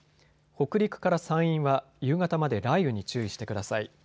北陸から山陰は夕方まで雷雨に注意してください。